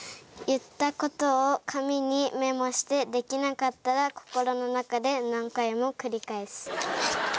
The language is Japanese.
「言ったことを紙にメモしてできなかったら心の中で何回も繰り返す」。